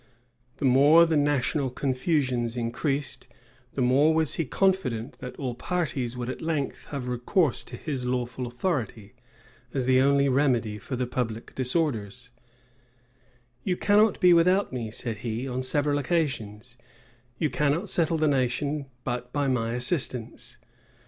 The more the national confusions increased, the more was he confident that all parties would at length have recourse to his lawful authority, as the only remedy for the public disorders "You cannot be without me," said he, on several occasions: "you cannot settle the nation but by my assistance."